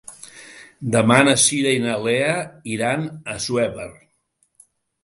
Demà na Cira i na Lea iran a Assuévar.